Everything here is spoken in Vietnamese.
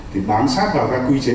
thì bám sát vào các quy chế